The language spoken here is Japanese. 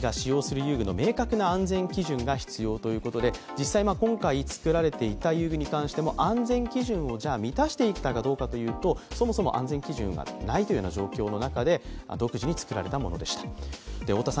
実際、今回作られていた遊具に関しても、安全基準を満たしていたかどうかというと、そもそも安全基準がないというような状況の中で独自に作られたものでした。